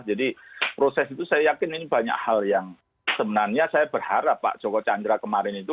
jadi proses itu saya yakin ini banyak hal yang sebenarnya saya berharap pak joko candra kemarin itu